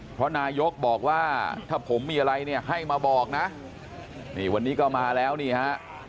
เพราะนายกบอกว่าถ้าผมมีอะไรเนี่ยให้มาบอกนะนี่วันนี้ก็มาแล้วนี่ฮะ